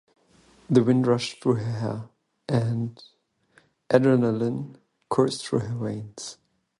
The wind rushed through her hair, and adrenaline coursed through her veins.